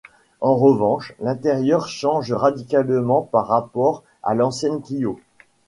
En revanche, l’intérieur change radicalement par rapport à l'ancienne Clio.